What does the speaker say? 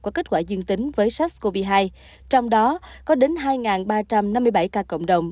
có kết quả dương tính với sars cov hai trong đó có đến hai ba trăm năm mươi bảy ca cộng đồng